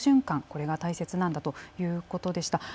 これが大切なんだということでした。